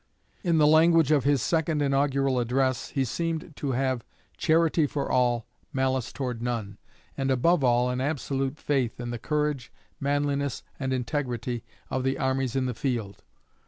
In the language of his second inaugural address, he seemed to have 'charity for all, malice toward none,' and above all an absolute faith in the courage, manliness, and integrity of the armies in the field.